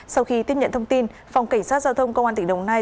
sau khi tiếp nhận thông tin phòng cảnh sát giao thông công an tỉnh đồng nai